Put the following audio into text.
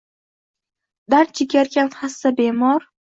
Dard chekarkan xasta, bemor